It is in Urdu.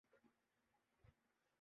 گہرے مشاہدے کے ذریعے بیان کیا ہے